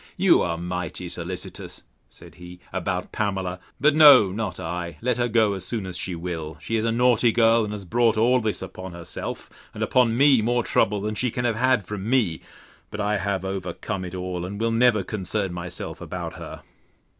You are mighty solicitous, said he, about Pamela: But no, not I; let her go as soon as she will: She is a naughty girl, and has brought all this upon herself; and upon me more trouble than she can have had from me: But I have overcome it all, and will never concern myself about her.